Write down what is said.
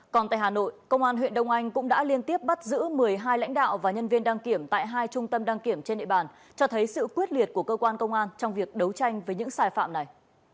còn tại hà nội công an huyện đông anh cũng đã liên tiếp bắt giữ một mươi hai lãnh đạo và nhân viên đăng kiểm tại hai trung tâm đăng kiểm trên địa bàn cho thấy sự quyết liệt của cơ quan công an trong việc đấu tranh với những sai phạm này